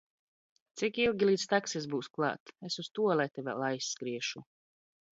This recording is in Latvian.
Cik ilgi, līdz taksis būs klāt? Es uz tualeti vēl aizskriešu!